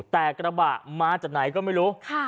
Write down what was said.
แต่กระบะมาจากไหนก็ไม่รู้